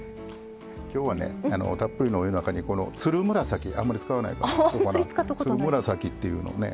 今日はねたっぷりのお湯の中にこのつるむらさきあんまり使わないこのつるむらさきというのをね